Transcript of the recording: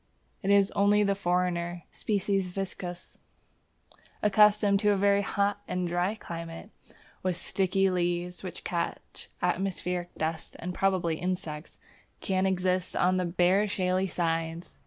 It is only the foreigner (S. viscosus), accustomed to a very hot and dry climate, and with sticky leaves which catch atmospheric dust and probably insects, that can exist on the bare shaly sides.